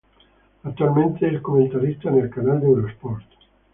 Actualmente es comentarista en el canal de Eurosport.